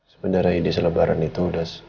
sebenarnya di selebaran itu udah pengen sih lakukan